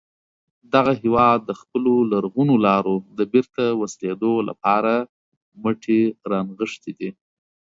دغه هیواد د خپلو لرغونو لارو د بېرته وصلېدو لپاره مټې را نغښتې دي.